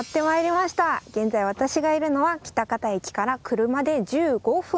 現在私がいるのは喜多方駅から車で１５分。